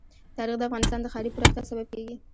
تاریخ د افغانستان د ښاري پراختیا سبب کېږي.